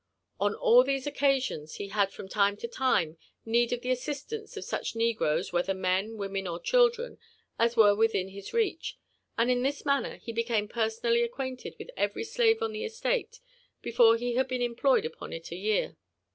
On all these occasions he had from time to time need of the assistance of such negroes, whether men, women, or children, as were within his reach ; and in this manner he hecame personally acquainted with every slave on the estate before he had been employed upon it a year.